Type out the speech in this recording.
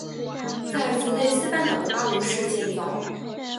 在弗内斯半岛的巴罗市建造。